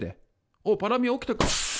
おっパラミ起きたか。